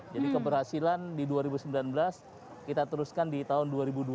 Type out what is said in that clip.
jadi keberhasilan di dua ribu sembilan belas kita teruskan di tahun dua ribu dua puluh dua